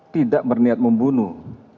tidak berniat membunuh